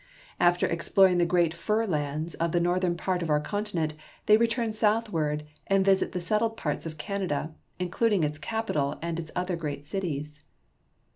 After ex ploring the great fur lands of the northern part of our continent, they return southward and visit the settled parts of Canada, including its capital and its other great cities.